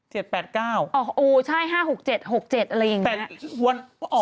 อ๋อใช่๕๖๗๖๗อะไรอย่างนี้